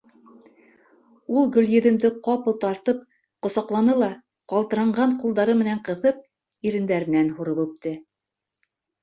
Ул Гөлйөҙөмдө ҡапыл тартып, ҡосаҡланы ла, ҡалтыранған ҡулдары менән ҡыҫып, ирен дәренән һурып үпте.